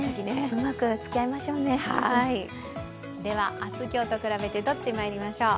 明日、今日と比べてどっち、いきましょう。